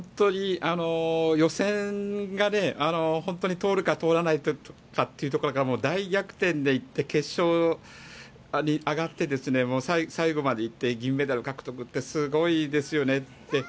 予選が本当に通るか通らないかというところから大逆転でいって決勝に上がって最後まで行って銀メダル獲得ってすごいですよね。